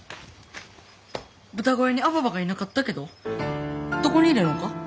豚小屋にアババがいなかったけどどこにいるのか？